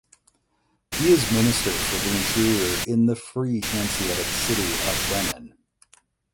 He is Minister for the interior in the Free Hanseatic City of Bremen.